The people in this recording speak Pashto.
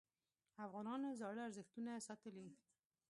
افغانانو زاړه ارزښتونه ساتلي.